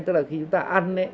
tức là khi chúng ta ăn